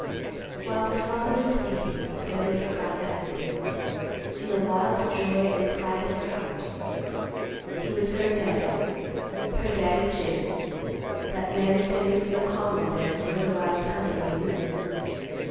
While her father was speaking, Sammy forgot everything, in the wild joy and pride of her heart. He was her Daddy, her Daddy Jim; that man standing so calmly there before the wild company of men.